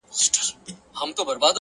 صبر د بریا د رسېدو پُل دی.